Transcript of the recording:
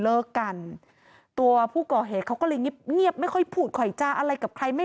เลิกกันตัวผู้ก่อเหตุเขาก็เลยเงียบเงียบไม่ค่อยพูดค่อยจ้าอะไรกับใครไม่